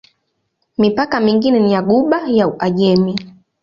Mipaka mingine ni ya Ghuba ya Uajemi.